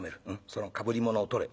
そのかぶり物を取れ」。